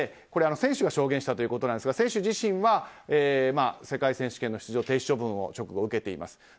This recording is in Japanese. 選手が証言したということですが選手自身は世界選手権の出場停止処分を受けています。